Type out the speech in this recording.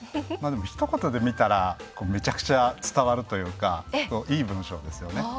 ひと言で見たらめちゃくちゃ伝わるというかいい文章ですよね。